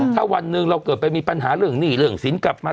ถ้าวันหนึ่งเราเกิดไปมีปัญหาเรื่องหนี้เรื่องสินกลับมา